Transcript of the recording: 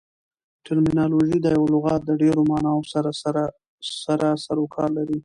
ټرمینالوژي د یوه لغات د ډېرو ماناوو سره سر او کار لري.